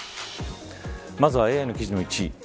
まずはＡＩの記事の１位。